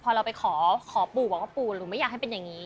พอเราไปขอปู่บอกว่าปู่หนูไม่อยากให้เป็นอย่างนี้